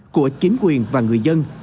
của chính quyền và người dân